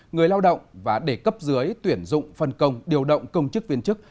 người lao động và đề cấp dưới tuyển dụng phân công điều động công chức viên chức